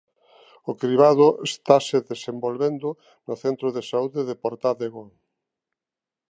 O cribado estase desenvolvendo no centro de saúde do Portádego.